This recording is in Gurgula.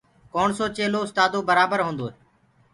ڪوڻسو چيلو اُستآدو برآبر هوندوئي